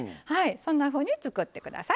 そんなふうに作って下さい。